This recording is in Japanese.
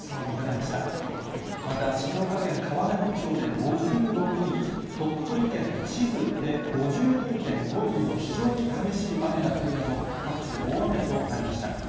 また、静岡県川根本町で５６ミリ、鳥取県智頭で５２．５ミリの非常に激しい雨が降るなど、各地で大雨となりました。